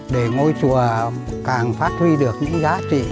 để ngôi chùa càng phát huy được những giá trị